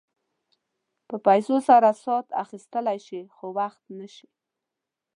په پیسو سره ساعت اخيستلی شې خو وخت نه شې.